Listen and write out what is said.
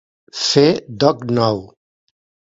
Fer doc nou.